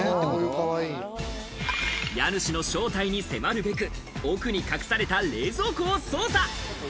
家主の正体に迫るべく、奥に隠された冷蔵庫を捜査。